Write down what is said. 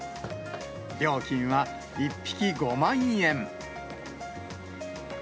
料金は１匹５万円。